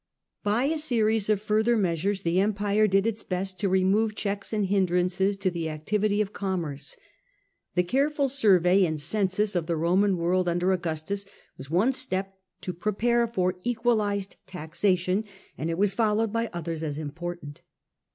By a series of further measures the Empire did its best to remove checks and hindrances to the activity of removed a Commerce. The careful survey and census che^L^nd Roman world under Augustus was one hindmnees, step to prepare the way for equalized taxa tion, and it was followed by others as important.